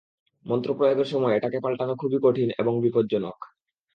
মন্ত্র প্রয়োগের সময়ে এটাকে পাল্টানো খুবই কঠিন এবং বিপজ্জনক।